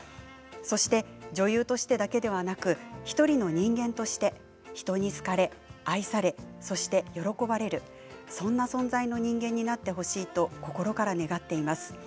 そして女優としてだけでなく１人の人間として人に好かれ、愛されそして喜ばれるそんな存在の人間になってほしいと心から願っています。